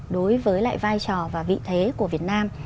đối với lại vai trò và vị thế của việt nam